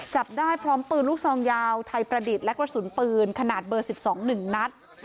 จับได้พร้อมปืนลูกซองยาวไทยประดิษฐ์และกระสุนปืนขนาดเบอร์๑๒๑นัด